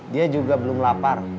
dia juga belum lapar